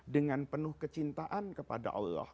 dengan penuh kecintaan kepada allah